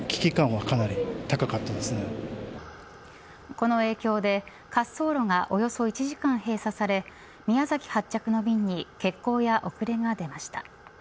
この影響で滑走路がおよそ１時間閉鎖され宮崎発着の便に欠航や遅れが出ました。